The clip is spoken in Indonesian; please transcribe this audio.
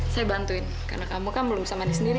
saya bantuin karena kamu kan belum bisa mandi sendiri